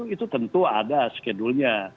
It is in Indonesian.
itu tentu ada skedulnya